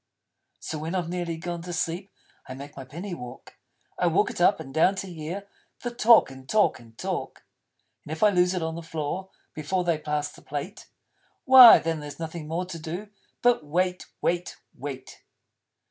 So when I've nearly gone to sleep, I make my Penny walk. I walk it up and down, to hear The talk and talk and talk. And if I lose it on the floor Before they pass the Plate, Why then there's nothing more to do But wait wait wait.